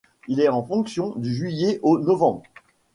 Il est en fonction du juillet au novembre.